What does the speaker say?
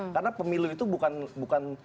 karena pemilu itu bukan